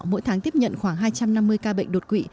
mỗi tháng tiếp nhận khoảng hai trăm năm mươi ca bệnh đột quỵ